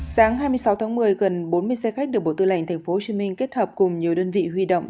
sáng hai mươi sáu tháng một mươi gần bốn mươi xe khách được bộ tư lệnh tp hcm kết hợp cùng nhiều đơn vị huy động